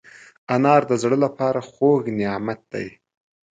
انار د زړه له پاره خوږ نعمت دی.